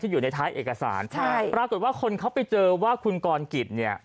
อยู่ในท้ายเอกสารใช่ปรากฏว่าคนเขาไปเจอว่าคุณกรกิจเนี่ย